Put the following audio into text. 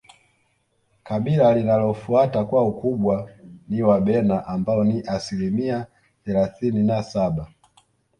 Kabila linalofuata kwa ukubwa ni Wabena ambao ni asilimia thelathini na saba